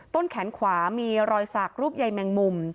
ต้นแขนขวามีรอยสักรูปใยแมงมุม